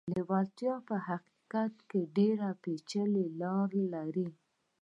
لېوالتیا په حقيقت کې ډېرې پېچلې لارې لري.